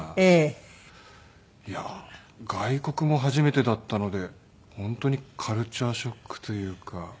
いや外国も初めてだったので本当にカルチャーショックというか。